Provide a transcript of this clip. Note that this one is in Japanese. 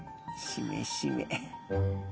しめしめ。